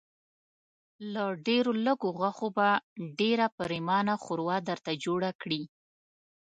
له ډېرو لږو غوښو به ډېره پرېمانه ښوروا درته جوړه کړي.